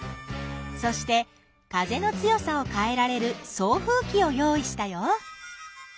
そして風の強さをかえられる送風きをよういしたよ。